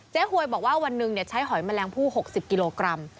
หวยบอกว่าวันหนึ่งใช้หอยแมลงผู้๖๐กิโลกรัม